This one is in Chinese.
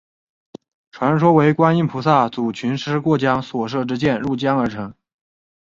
传说为观音菩萨阻群狮过江所射之箭入江而成。